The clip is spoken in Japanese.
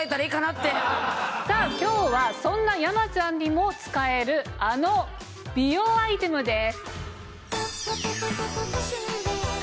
今日はそんな山ちゃんにも使えるあの美容アイテムです。